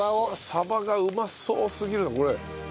さばがうまそうすぎるなこれ。